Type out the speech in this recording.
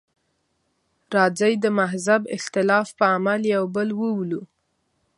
راځئ د مهذب اختلاف په عمل یو بل وولو.